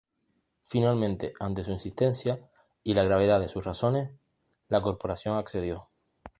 Finalmente, ante su insistencia y la gravedad de sus razones, la corporación accedió.